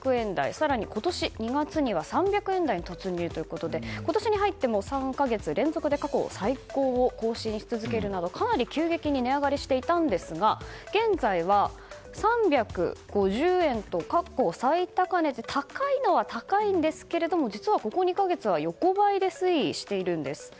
更に今年２月には３００円台に突入ということで今年に入っても３か月連続で過去最高を更新し続けるなどかなり急激に値上がりしていたんですが現在は３５０円と過去最高値と高いのは高いんですが実は、ここ２か月は横ばいで推移しているんです。